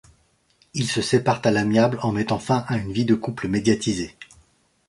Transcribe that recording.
Ils se séparent à l’amiable en mettant fin à une vie de couple médiatisée.